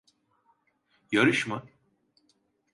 Yarış mı?